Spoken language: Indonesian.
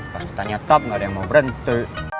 pas ditanya top nggak ada yang mau berhenti